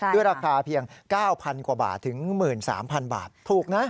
ด้วยราคาเพียง๙๐๐กว่าบาทถึง๑๓๐๐๐บาทถูกนะ